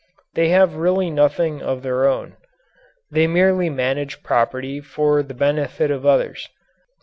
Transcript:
They have really nothing of their own. They merely manage property for the benefit of others.